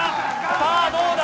さあどうだ。